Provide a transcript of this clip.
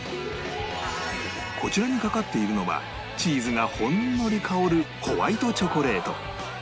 こちらにかかっているのはチーズがほんのり香るホワイトチョコレート